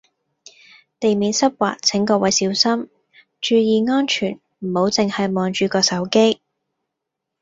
地面濕滑請各位小心，注意安全唔好淨係望住個手機